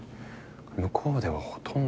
向こうではほとんど。